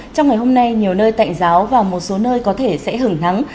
trong ngày hôm nay nhiều nơi tạnh giáo và một số nơi có thể sẽ hứng nắng